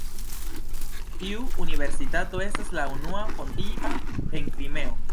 Tiu universitato estas la unua fondita en Krimeo.